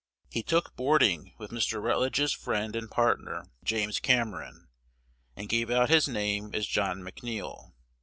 He took boarding with Mr. Rutledge's friend and partner, James Cameron, and gave out his name as John McNeil.